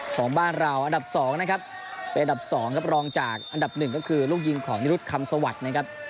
ของบ้านเราอันดับ๒นะครับเป็นอันดับ๒ครับรองจากอันดับหนึ่งก็คือลูกยิงของนิรุธคำสวัสดิ์นะครับ